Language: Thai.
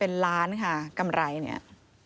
เป็นล้านค่ะกำไรเนี่ย